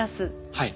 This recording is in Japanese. はい。